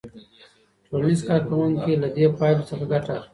ټولنیز کارکوونکي له دې پایلو څخه ګټه اخلي.